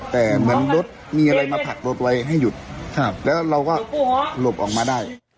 แต่เหมือนรถมีอะไรมาผลักรถไว้ให้หยุดแล้วเราก็หลบออกมาได้